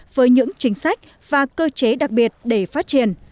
với những chính sách và cơ chế đặc biệt để phát triển